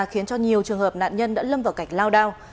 khiến cho nhiều trường hợp nạn nhân đã lâm vào cảnh lao đao